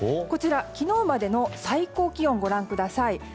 こちら、昨日までの最高気温をご覧ください。